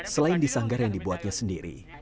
selain di sanggar yang dibuatnya sendiri